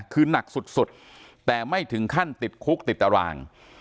คือหนักสุดแต่ไม่ถึงขั้นติดคุกติดตาราง